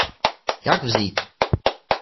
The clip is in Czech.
Jak vzít?